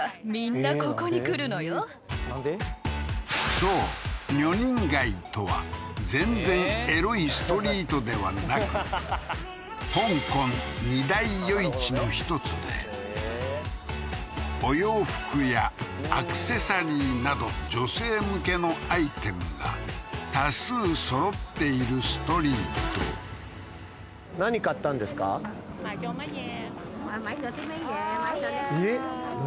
そう女人街とは全然香港２大夜市の１つでお洋服やアクセサリーなど女性向けのアイテムが多数揃っているストリートえっ何？